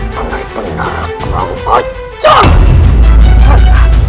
penarik penarik perang wajar